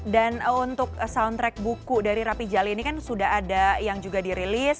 dan untuk soundtrack buku dari rapi jali ini kan sudah ada yang juga dirilis